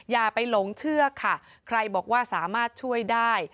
อย่าไปหลงเชื่อค่ะใครบอกว่าสามารถช่วยได้